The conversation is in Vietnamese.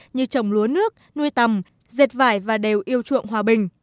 như trồng lúa nước nuôi tầm dệt vải và đều yêu chuộng hòa bình